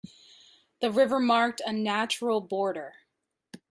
The river marked a natural border.